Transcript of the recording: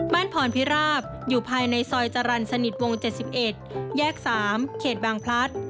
พรพิราบอยู่ภายในซอยจรรย์สนิทวง๗๑แยก๓เขตบางพลัด